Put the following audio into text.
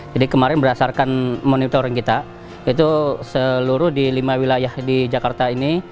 jadi kemarin berdasarkan monitoring kita itu seluruh di lima wilayah di jakarta ini